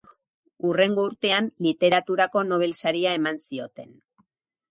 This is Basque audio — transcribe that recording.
Hurrengo urtean Literaturako Nobel Saria eman zioten.